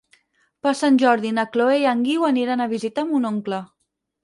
Per Sant Jordi na Chloé i en Guiu aniran a visitar mon oncle.